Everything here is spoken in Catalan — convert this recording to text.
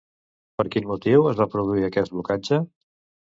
Per quin motiu es va produir aquest blocatge?